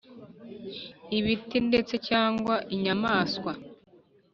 ibiti, ndetse cyangwa inyamaswa.